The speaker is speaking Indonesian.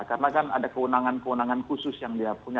karena kan ada keunangan keunangan khusus yang dia punya